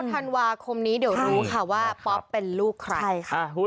ธันวาคมนี้เดี๋ยวรู้ค่ะว่าป๊อปเป็นลูกใครใช่ค่ะ